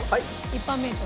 一般名称。